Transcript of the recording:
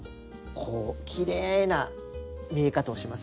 きれいな見え方をします。